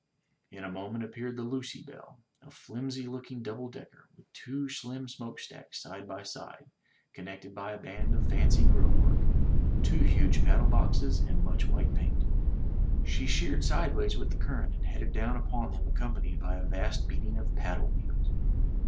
In a moment appeared the Lucy Belle, a flimsy looking double decker, with two slim smokestacks side by side connected by a band of fancy grill work, two huge paddle boxes and much white paint. She sheered sidewise with the current and headed down upon them accompanied by a vast beating of paddle wheels.